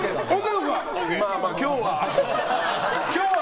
まあまあ、今日は。